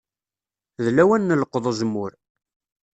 D lawan n leqḍ uzemmur.